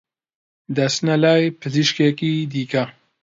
دەچنە لای پزیشکێکی دیکە